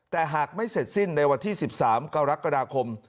แต่หากไม่เสร็จสิ้นในวันที่๑๓กรกฎาคม